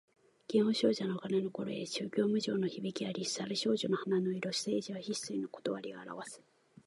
祇園精舎の鐘の声、諸行無常の響きあり。沙羅双樹の花の色、盛者必衰の理をあらわす。